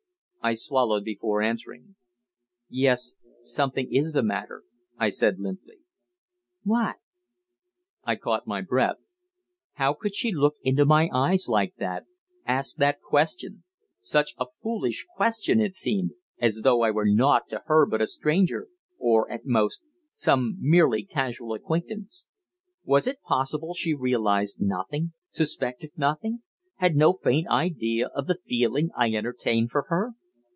I swallowed before answering. "Yes something is the matter," I said limply. "What?" I caught my breath. How could she look into my eyes like that, ask that question such a foolish question it seemed as though I were naught to her but a stranger, or, at most, some merely casual acquaintance? Was it possible she realized nothing, suspected nothing, had no faint idea of the feeling I entertained for her?